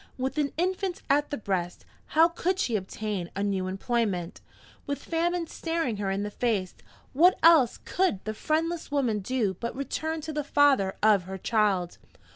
With an infant at the breast, how could she obtain a new employment? With famine staring her in the face, what else could the friendless woman do but return to the father of her child?